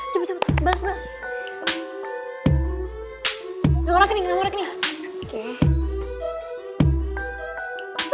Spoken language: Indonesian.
cepet cepet balas balas